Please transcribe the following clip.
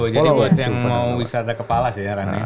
jadi buat yang mau wisata kepala sih rannya